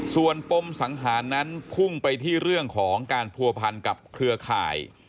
ส่วนปมสังหารนั้นพุ่งไปที่เรื่องของการผัวพันกับเครือข่าย